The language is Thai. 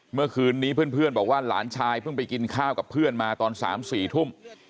เมื่อคืนนี้เพื่อนบอกว่าหลานชายเพิ่งไปกินข้าวกับเพื่อนมาตอน๓๔ทุ่ม